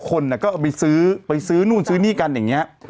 คนก็ไปซื้อนู่นซื้อนี่กันอย่างนี้